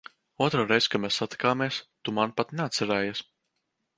Otro reizi, kad mēs satikāmies, tu mani pat neatcerējies.